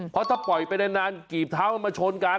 เพราะถ้าปล่อยไปนานกีบเท้ามันมาชนกัน